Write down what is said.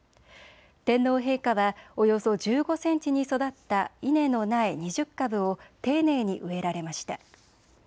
天皇陛下はおよそ１５センチに育った稲の苗２０株を丁寧に植えられました。